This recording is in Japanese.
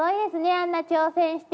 あんな挑戦して。